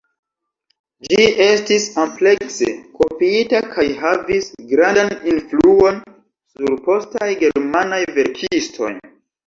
Ĝi estis amplekse kopiita kaj havis grandan influon sur postaj germanaj verkistoj.